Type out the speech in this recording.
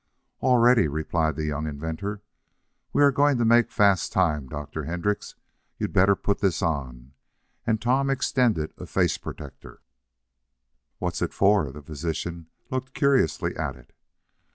"All ready," replied the young inventor. "We're going to make fast time, Dr. Hendrix. You'd better put this on," and Tom extended a face protector. "What's it for?" The physician looked curiously at it.